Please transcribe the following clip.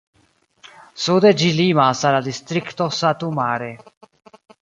Sude ĝi limas al la distrikto Satu Mare.